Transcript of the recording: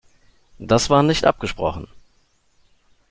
Das war nicht abgesprochen!